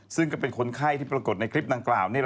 ซึ่งก็เป็นคนไข้ที่ปรากฏในคลิปดังกล่าว